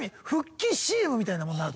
みたいなものになる。